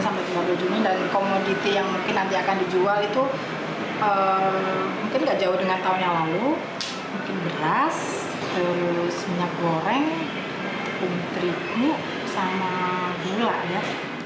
mungkin beras terus minyak goreng tepung terigu sama gula